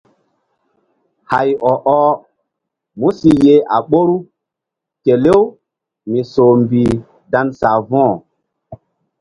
Hay ɔ-ɔh mu si yeh a ɓoru kelew mi soh mbih dan savo̧h.